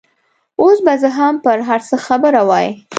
اوس به زه هم په هر څه خبره وای.